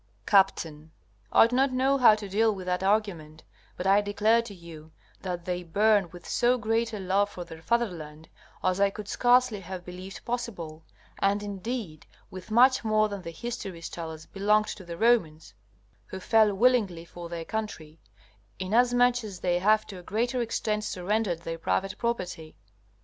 Capt. I do not know how to deal with that argument, but I declare to you that they burn with so great a love for their fatherland, as I could scarcely have believed possible; and indeed with much more than the histories tell us belonged to the Romans, who fell willingly for their country, inasmuch as they have to a greater extent surrendered their private property.